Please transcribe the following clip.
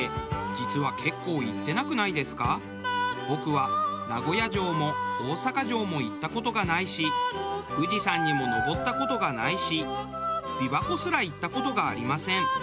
僕は名古屋城も大阪城も行った事がないし富士山にも登った事がないし琵琶湖すら行った事がありません。